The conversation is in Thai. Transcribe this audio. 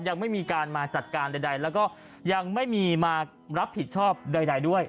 ยังไม่มีการมาจัดการใดแล้วก็ยังไม่มีมารับผิดชอบใดด้วย